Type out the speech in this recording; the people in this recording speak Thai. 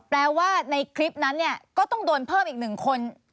แปลว่าในคลิปนั้นก็ต้องโดนเพิ่มอีกหนึ่งคน